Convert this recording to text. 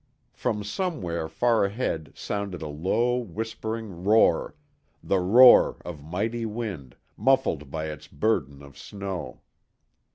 From somewhere far ahead sounded a low whispering roar the roar of mightly wind, muffled by its burden of snow.